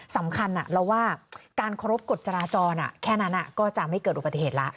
สำคัญเราว่าการเคารพกฎจราจรแค่นั้นก็จะไม่เกิดอุบัติเหตุแล้ว